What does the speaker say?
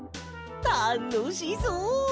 たのしそう！